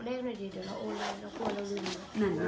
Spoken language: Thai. เรามีเงินใดที่ต้องเฉ่งกับชายกับป๊อปต้องก็